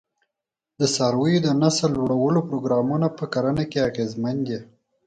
د څارویو د نسل لوړولو پروګرامونه په کرنه کې اغېزمن دي.